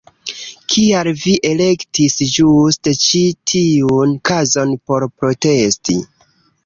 Kial vi elektis ĝuste ĉi tiun kazon por protesti?